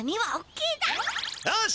よし！